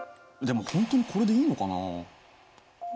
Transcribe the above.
でも本当にこれでいいのかな？